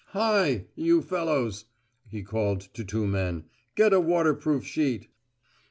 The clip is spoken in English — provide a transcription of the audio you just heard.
"Hi! you fellows," he called to two men. "Get a waterproof sheet."